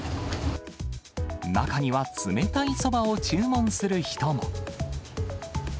中には冷たいそばを注文する人も。